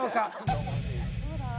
どうだ？